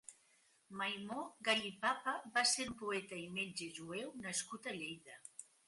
Maimó Gallipapa va ser un poeta i metge jueu nascut a Lleida.